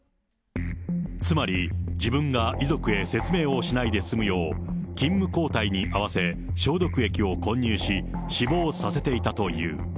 つまり、自分が遺族へ説明をしないで済むよう、勤務交代に合わせ、消毒液を混入し、死亡させていたという。